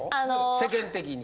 世間的に。